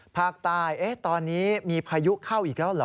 ภาคใต้ตอนนี้มีพายุเข้าอีกแล้วเหรอ